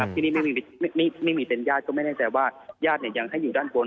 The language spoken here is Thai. ที่นี่ไม่มีเป็นญาติก็ไม่แน่ใจว่าญาติยังให้อยู่ด้านบน